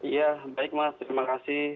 ya baik mas terima kasih